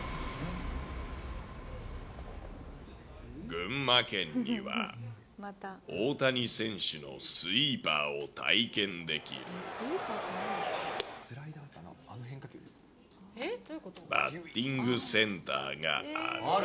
群馬県には、大谷選手のスイーパーを体験できる、バッティングセンターがある。